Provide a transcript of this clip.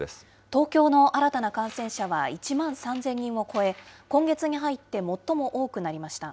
東京の新たな感染者は１万３０００人を超え、今月に入って最も多くなりました。